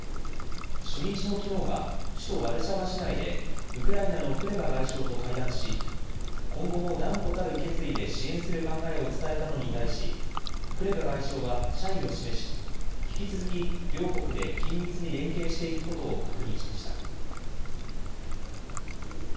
初日のきのうは、首都ワルシャワ市内で、ウクライナのクレバ外相と会談し、今後も断固たる決意で支援する考えを伝えたのに対し、クレバ外相は謝意を示し、引き続き両国で緊密に連携していくことを確認しました。